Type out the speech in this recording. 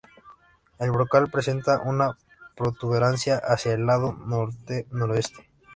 El brocal presenta una protuberancia hacia el lado norte-noroeste.